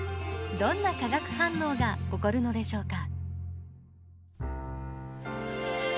どんな化学反応が起こるのでしょうか。